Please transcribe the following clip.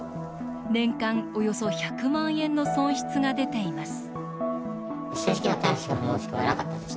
年間およそ１００万円の損失が出ています